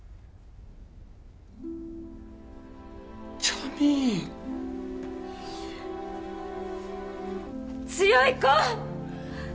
ジャミーン強い子！